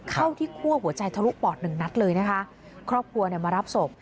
เข้าที่คั่วหัวใจทะลุปอดหนึ่งนัดเลยนะคะครอบครัวเนี่ยมารับศพ